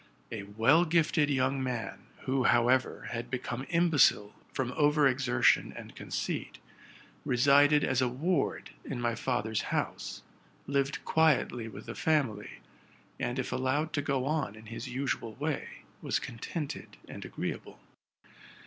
A well gifted young man, Who! however, had become imbecile from over exertion and conceit, resided as a ward in my father's house, lived quietly with the family, and, if allowed to go on in his usual way, was contented and agreeable.